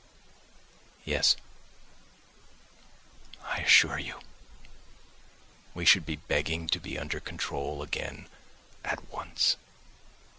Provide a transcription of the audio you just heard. yes, I assure you ... we should be begging to be under control again at once.